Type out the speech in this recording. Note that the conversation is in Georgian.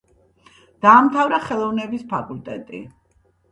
დაამთავრა ხელოვნების ფაკულტეტი.